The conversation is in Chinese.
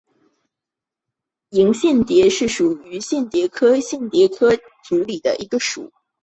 莹蚬蝶属是蚬蝶科蚬蝶亚科树蚬蝶族里的一个属。